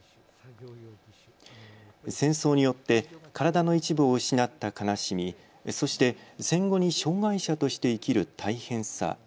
戦争によって体の一部を失った悲しみ、そして戦後に障害者として生きる大変さ。